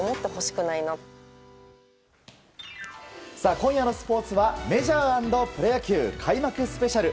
今夜のスポーツはメジャー＆プロ野球開幕スペシャル。